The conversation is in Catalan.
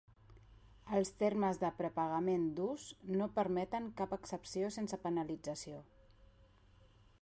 Els termes de prepagament "durs" no permeten cap excepció sense penalització.